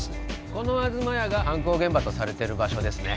この東屋が犯行現場とされてる場所ですね